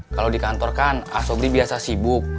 kalau di kantor kan asobri biasa sibuk